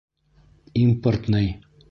Импортный!